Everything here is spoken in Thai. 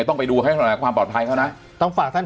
ต้องไปดูให้หน่อยความปลอดภัยเขานะต้องฝากท่าน